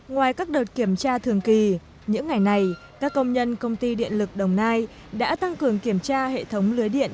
ngoài các đợt kiểm tra thường kỳ những ngày này các công nhân công ty điện lực đồng nai đã tăng cường kiểm tra hệ thống lưới điện